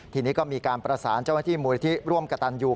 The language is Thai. ทีนี้ก็มีการประสานเจ้าหน้าที่มูลที่ร่วมกระตันยู